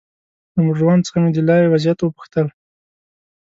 له موټروان څخه مې د لارې وضعيت وپوښتل.